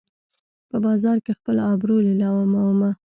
په بازار کې خپل ابرو لیلامومه